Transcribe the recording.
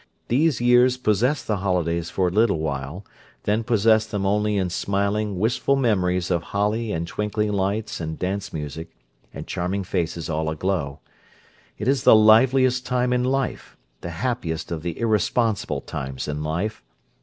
These years possess the holidays for a little while, then possess them only in smiling, wistful memories of holly and twinkling lights and dance music, and charming faces all aglow. It is the liveliest time in life, the happiest of the irresponsible times in life.